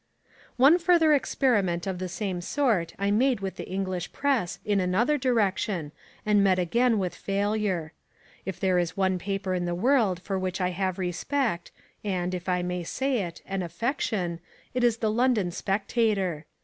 One further experiment of the same sort I made with the English Press in another direction and met again with failure. If there is one paper in the world for which I have respect and if I may say it an affection, it is the London Spectator.